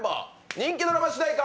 人気ドラマ主題歌